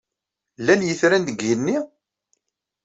Llan yetran deg yigenni?